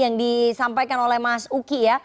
yang disampaikan oleh mas uki ya